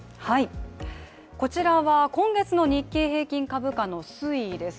こちらは、今月の日経平均株価の推移です。